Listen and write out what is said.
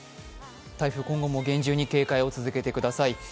台風、今後も厳重に警戒を続けてください。